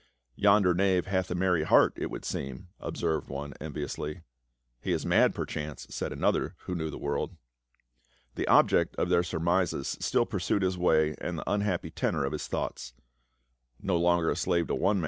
Yonder knave hath a merr\ heart, it would seem," observed one enviously. "He is mad, perchance," said another, who knew the world. The object of their surmises still pursued his way and tfhe unhappy tenor of his thoughts. " No longer a slave to one ma.